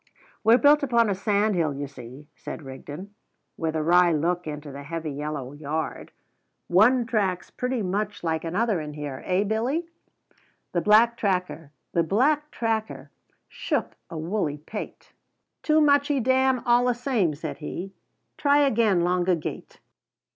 "We're built upon a sandhill, you see," said Rigden, with a wry look into the heavy yellow yard: "one track's pretty much like another in here, eh, Billy?" The black tracker shook a woolly pate. "Too muchee damn allasame," said he. "Try again longa gate."